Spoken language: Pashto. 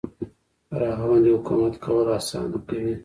پر هغه باندې حکومت کول اسانه کوي.